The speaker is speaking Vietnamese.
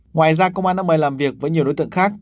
ngoài ra công an đã mời làm việc với nhiều đối tượng khác